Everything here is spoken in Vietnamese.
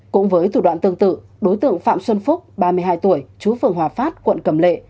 cũng với thủ đoạn tương tự đối tượng phạm xuân phúc ba mươi hai tuổi chú phường hòa phát quận cầm lệ